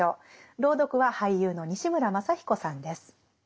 朗読は俳優の西村まさ彦さんです。